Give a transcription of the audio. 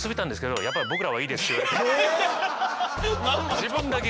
自分だけ。